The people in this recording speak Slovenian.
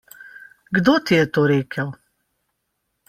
Kdo ti je to rekel?